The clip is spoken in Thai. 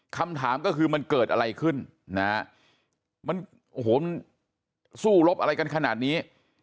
คำถามก็คือมันเกิดอะไรขึ้นสู้รบอะไรกันขนาดนี้